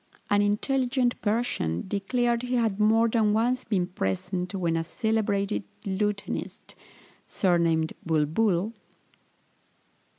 An intelligent Persian declared he had more than once been present, when a celebrated lutenist, surnamed Bulbul (i.